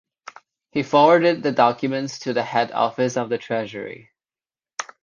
He forwarded the documents to the head office of the Treasury.